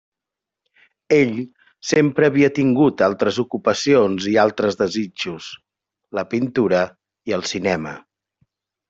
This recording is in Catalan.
Ell sempre havia tingut altres ocupacions i altres desitjos: la pintura i el cinema.